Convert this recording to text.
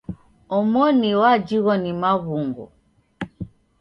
Omoni wajighwa ni maw'ungo.